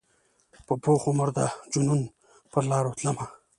په پوخ عمر د جنون پرلاروتلمه